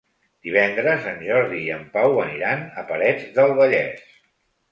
Divendres en Jordi i en Pau aniran a Parets del Vallès.